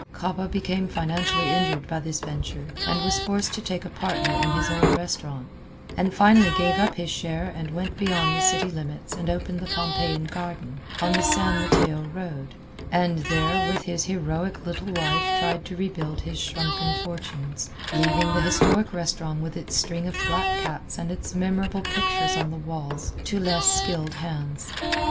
Coppa became financially injured by this venture and was forced to take a partner in his old restaurant, and finally gave up his share and went beyond the city limits and opened the Pompeiian Garden, on the San Mateo road, and there with his heroic little wife tried to rebuild his shrunken fortunes, leaving the historic restaurant with its string of black cats and its memorable pictures on the walls to less skilled hands.